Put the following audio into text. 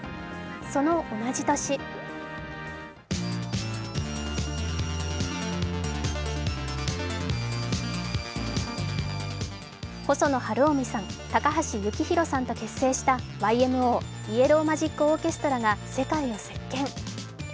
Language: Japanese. その同じ年細野晴臣さん、高橋幸宏さんと結成したＹＭＯ＝イエロー・マジック・オーケストラが世界を席巻。